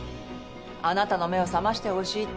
あなたの目を覚ましてほしいって。